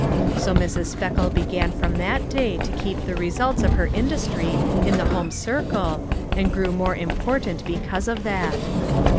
So Mrs. Speckle began from that day to keep the results of her industry in the home circle, and grew more important because of that.